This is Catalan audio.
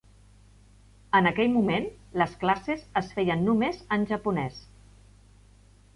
En aquell moment, les classes es feien només en japonès.